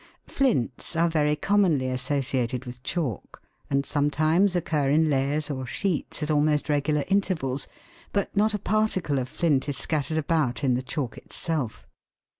Flints are very commonly associated with chalk, and sometimes occur in layers or sheets at almost regular intervals, but not a particle of flint is scattered about in the chalk itself.